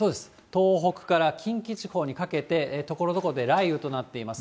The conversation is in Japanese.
東北から近畿地方にかけて、ところどころで雷雨となっています。